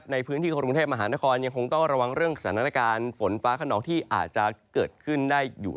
ในพื้นที่กรุงเทพมหานครยังคงต้องระวังเรื่องสถานการณ์ฝนฟ้าขนองที่อาจจะเกิดขึ้นได้อยู่